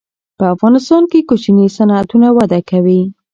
په افغانستان کې کوچني صنعتونه وده کوي.